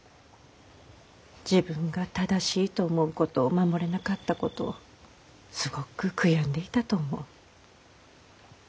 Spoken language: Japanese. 自分が正しいと思うことを守れなかったことをすごく悔やんでいたと思う。